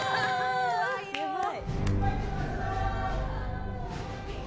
やばい